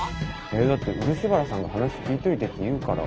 いやだって漆原さんが「話聞いといて」って言うから。